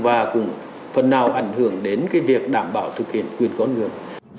và cũng phần nào ảnh hưởng đến việc đảm bảo thực hiện quyền con người